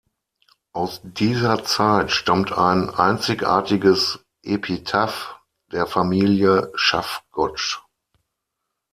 Aus dieser Zeit stammt ein einzigartiges Epitaph der Familie Schaffgotsch.